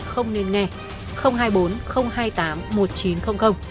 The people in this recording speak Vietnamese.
công an tp quy nhơn không nên nghe hai mươi bốn hai mươi tám một nghìn chín trăm linh